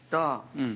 うん。